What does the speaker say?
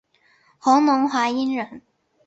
弘农华阴人。